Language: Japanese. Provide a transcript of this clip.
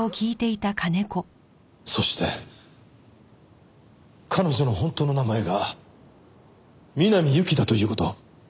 そして彼女の本当の名前が南侑希だという事。